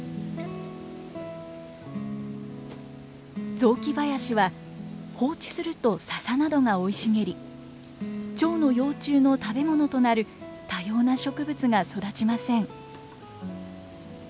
雑木林は放置するとササなどが生い茂りチョウの幼虫の食べ物となる多様な植物が育ちません。